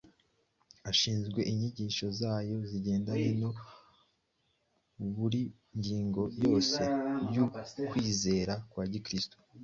ashinzwe inyigisho nyazo zigendanye na buri ngingo yose y’ukwizera kwa Gikristo,